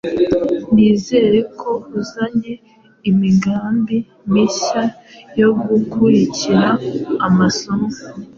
Nizere ko uzanye imigambi mishya yo gukurikira amasomo.